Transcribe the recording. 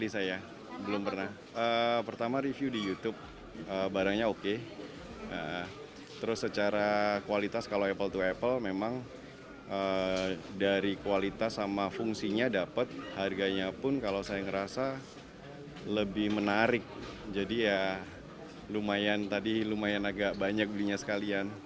saya merasa lebih menarik jadi ya lumayan tadi lumayan agak banyak belinya sekalian